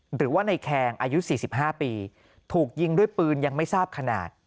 หรือว่าในแคงอายุ๔๕ปีถูกยิงด้วยปืนยังไม่ทราบขนาด